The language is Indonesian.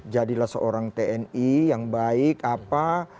jadilah seorang tni yang baik apa